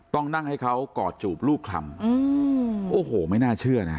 ต้องนั่งให้เขากอดจูบรูปคลำโอ้โหไม่น่าเชื่อนะ